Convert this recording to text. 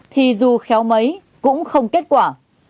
thì dù khéo mấy cũng không kết quả